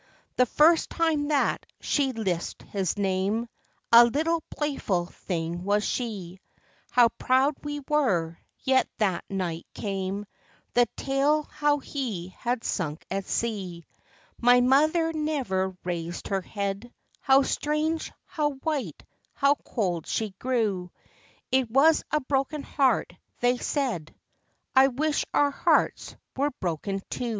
The first time that she lispŌĆÖd his name, A little playful thing was she; How proud we were ŌĆöyet that night came The tale how he had sunk at sea. My mother never raised her head ŌĆö How strange, how white, how cold she grew It was a broken heart, they said ŌĆö I wish our hearts were broken too.